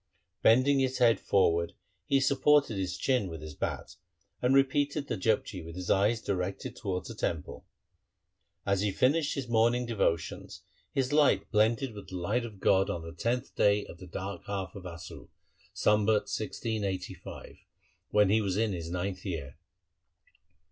Bending his head forward he supported his chin with his bat, and repeated the Japji with his eyes directed towards the Temple. As he finished his morning devotions, his light blended with the light of God K2 132 THE SIKH RELIGION on the tenth day of the dark half of Assu, Sambat 1685, when he was in his ninth year.